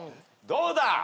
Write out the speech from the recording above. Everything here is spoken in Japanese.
どうだ？